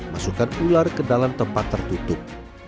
masukkan ular ke dalam tempat tertutup